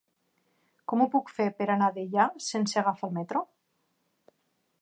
Com ho puc fer per anar a Deià sense agafar el metro?